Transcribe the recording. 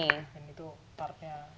ini tuh partnya